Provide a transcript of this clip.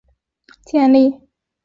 统计学习理论而建立。